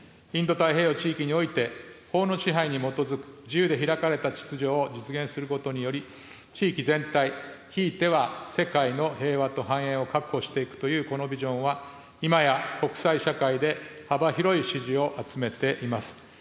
インド太平洋地域において、法の支配に基づく自由で開かれた秩序を実現することにより、地域全体、ひいては世界の平和と繁栄を確保していくというこのビジョンは、今や国際社会で幅広い支持を集めています。